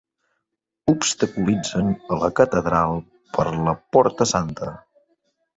Obstaculitzen a la catedral per la Porta Santa.